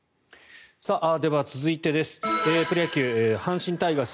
では、続いてプロ野球、阪神タイガース